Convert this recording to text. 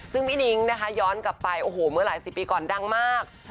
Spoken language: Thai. ซึ่งพี่นิ้งนะคะย้อนกลับไปโอ้โหเมื่อหลายสิบปีก่อนดังมาก